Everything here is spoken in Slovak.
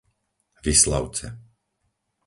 Vislavce